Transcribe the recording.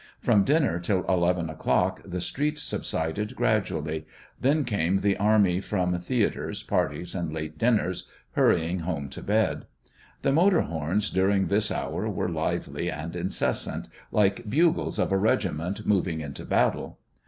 From dinner till eleven o'clock the streets subsided gradually; then came the army from theatres, parties, and late dinners, hurrying home to bed. The motor horns during this hour were lively and incessant, like bugles of a regiment moving into battle.